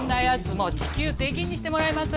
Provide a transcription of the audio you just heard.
もう地球出禁にしてもらえます？